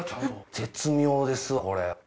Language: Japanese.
絶妙ですわこれ。